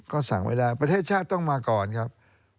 ก็สั่งไว้แล้วประเทศชาติต้องมาก่อนครับ